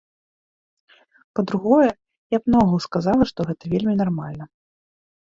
Па-другое, я б наогул сказала, што гэта вельмі нармальна.